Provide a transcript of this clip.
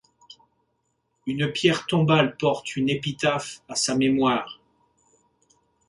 Une pierre tombale porte une épitaphe à sa mémoire.